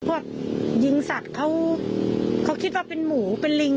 แล้วก็เอาปืนยิงจนตายเนี่ยมันก็อาจจะเป็นไปได้จริง